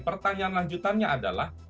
pertanyaan lanjutannya adalah